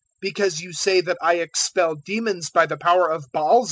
because you say that I expel demons by the power of Baal zebul.